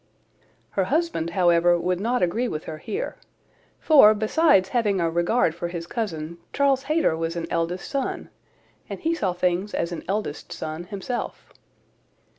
Her husband, however, would not agree with her here; for besides having a regard for his cousin, Charles Hayter was an eldest son, and he saw things as an eldest son himself.